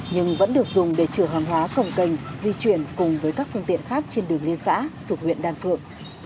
nhưng vẫn được dùng để chở hàng hóa cồng cành di chuyển cùng với các phương tiện khác trên đường liên xã thuộc huyện đan phượng